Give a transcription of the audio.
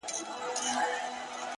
زه هم دعاوي هر ماښام كومه!